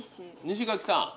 西垣さん。